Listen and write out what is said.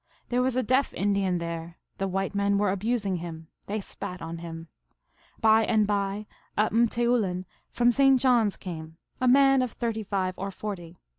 There was a deaf Indian there. The white men were abusing him. They spat on him. By and by a m teoulin from St. John s came, a man of thirty five or forty.